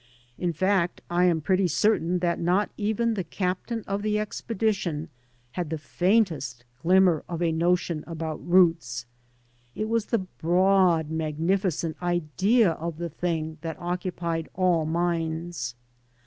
In fact, I am pretty certain that not even the captain of the expedition had the faintest glimmer of a notion about routes. It was the broad, magnificent idea of the thing that occupied all minds.